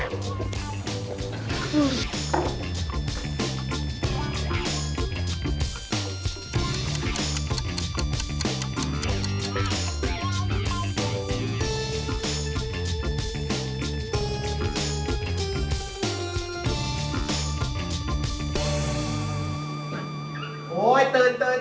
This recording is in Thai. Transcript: แล้วอยู่ได้ไหม